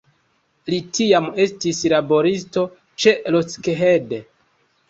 Li tiam estis laboristo ĉe Lockheed.